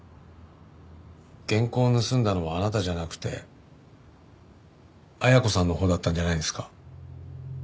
原稿を盗んだのはあなたじゃなくて恵子さんのほうだったんじゃないんですか？